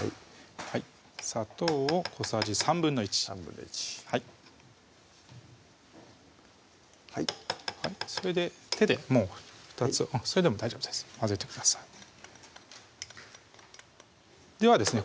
砂糖を小さじ１／３１／３はいそれで手でもうそれでも大丈夫です混ぜてくださいではですね